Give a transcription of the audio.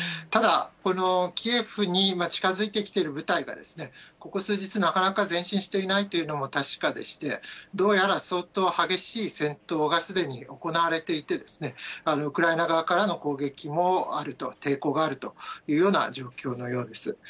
ただ、このキエフに近づいてきている部隊が、ここ数日なかなか前進していないというのも確かでして、どうやら相当激しい戦闘がすでに行われていて、ウクライナ側からの攻撃もあると、抵抗があるというような状況のようです。